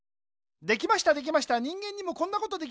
できましたできました人間にもこんなことできました。